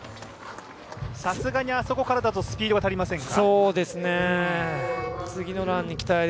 さすがに、あそこからだとスピードが足りませんか？